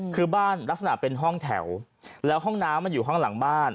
คือบ้านลักษณะเป็นห้องแถวแล้วห้องน้ำมันอยู่ข้างหลังบ้าน